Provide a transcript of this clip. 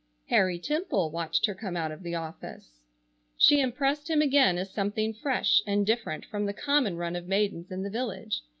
Harry Temple watched her come out of the office. She impressed him again as something fresh and different from the common run of maidens in the village.